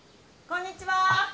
こんにちは！